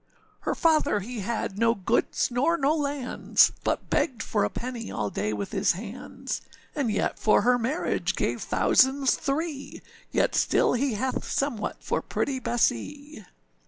âHer father he had no goods nor no lands, But begged for a penny all day with his hands, And yet for her marriage gave thousands three, Yet still he hath somewhat for pretty Bessee.